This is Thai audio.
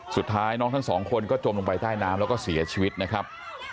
สุดท้ายน้องทั้งสองคนก็จมลงไปใต้น้ำแล้วก็เสียชีวิตนะครับ